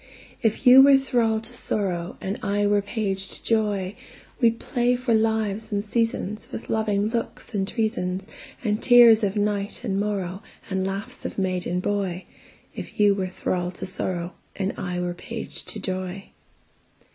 If you were thrall to sorrow, And I were page to joy, We'd play for lives and seasonsWith loving looks and treasonsAnd tears of night and morrowAnd laughs of maid and boy; If you were thrall to sorrow, And I were page to joy.